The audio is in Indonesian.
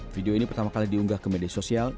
video ini pertama kali diunggah ke media sosial